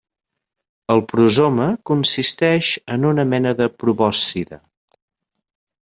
El prosoma consisteix en una mena de probòscide.